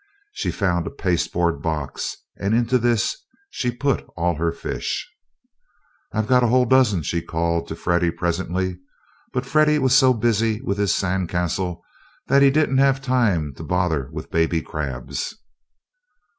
She found a pasteboard box and into this she put all her fish. "I've got a whole dozen!" she called to Freddie, presently. But Freddie was so busy with his sand castle he didn't have time to bother with baby crabs.